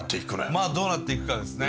まあどうなっていくかですね。